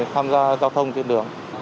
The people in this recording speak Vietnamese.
tham gia giao thông trên đường